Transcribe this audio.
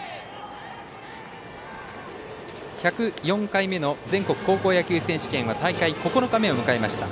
１０４回目の全国高校野球選手権は大会９日目を迎えました。